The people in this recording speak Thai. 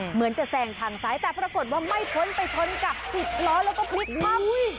เหมือนจะแซงทางซ้ายแต่ปรากฏว่าไม่พ้นไปชนกับสิบล้อแล้วก็พลิกมา